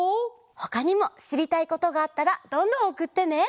ほかにもしりたいことがあったらどんどんおくってね！